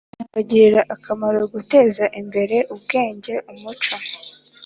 cyabagirira akamaro gutezaimbere ubwenge umuco